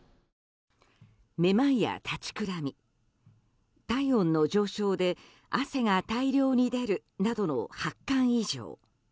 めまいや立ちくらみ体温上昇で汗が大量に出るなどの発汗異常。